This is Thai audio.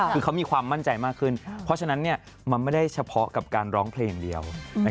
คือเขามีความมั่นใจมากขึ้นเพราะฉะนั้นมันไม่ได้เฉพาะกับการร้องเพลงเดียว